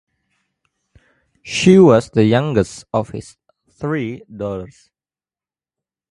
She was the youngest of his three daughters.